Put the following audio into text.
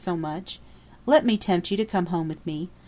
so much. Let me tempt you to come home with me.